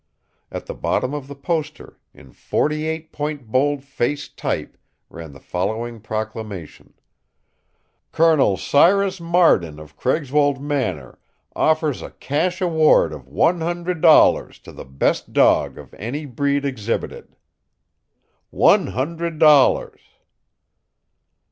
At the bottom of the poster, in forty eight point bold face type, ran the following proclamation: COL. CYRUS MARDEN OF CRAIGSWOLD MANOR OFFERS A CASH AWARD OF ONE HUNDRED DOLLARS ($100) TO THE BEST DOG OF ANY BREED EXHIBITED One hundred dollars!